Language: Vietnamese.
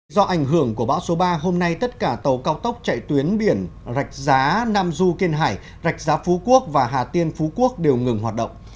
do ảnh hưởng của bão số ba hôm nay tất cả tàu cao tốc chạy tuyến biển rạch giá nam du kiên hải rạch giá phú quốc và hà tiên phú quốc đều ngừng hoạt động